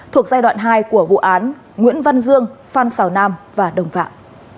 thuộc giai đoạn hai của vụ án nguyễn văn dương phan xào nam và đồng phạm